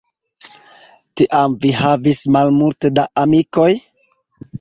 Tiam vi havis malmulte da amikoj?